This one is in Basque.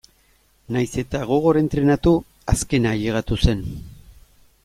Nahiz eta gogor entrenatu azkena ailegatu zen.